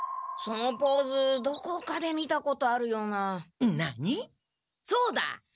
そのポーズどこかで見たことあるような。